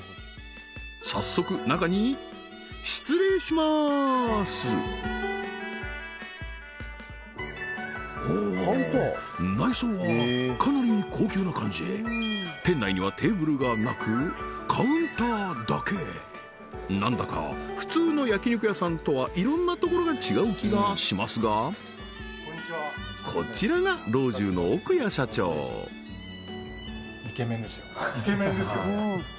早速中に失礼しまーすおおーっ内装はかなり高級な感じ店内にはテーブルがなくカウンターだけ何だか普通の焼肉屋さんとは色んなところが違う気がしますがこちらが老中の奥谷社長イケメンですよね